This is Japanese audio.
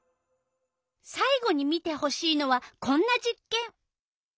さい後に見てほしいのはこんな実けん。